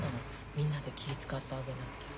みんなで気ぃ遣ってあげなきゃ。